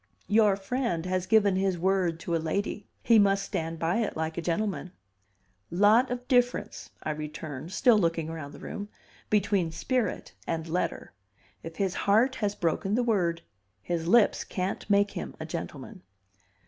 "Your friend has given his word to a lady; he must stand by it like a gentleman. "Lot of difference," I returned, still looking round the room, "between spirit and letter. If his heart has broken the word, his lips can't make him a gentleman."